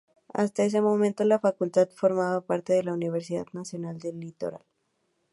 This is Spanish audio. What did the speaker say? Hasta ese momento, la facultad formaba parte de la Universidad Nacional del Litoral.